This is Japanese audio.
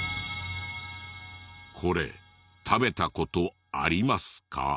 これ食べた事ありますか？